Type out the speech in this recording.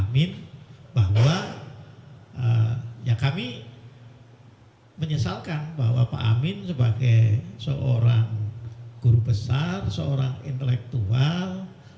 menyesalkan bahwa pak amin sebagai seorang guru besar seorang intelektual